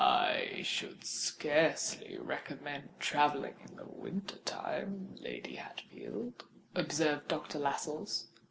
"I should scarcely recommend travelling in the winter time, Lady Hatfield," observed Doctor Lascelles.